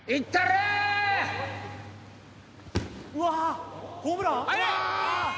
うわホームラン？